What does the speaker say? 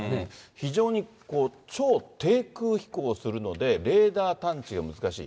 非常に超低空飛行するので、レーダー探知が難しい。